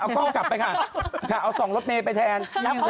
อ๋อเอากล้องกลับนะเอาสองรถเม้ไปแทน